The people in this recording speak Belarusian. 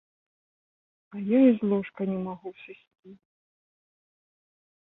А я і з ложка не магу сысці.